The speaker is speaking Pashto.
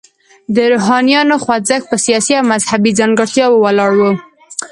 د روښانیانو خوځښت په سیاسي او مذهبي ځانګړتیاوو ولاړ و.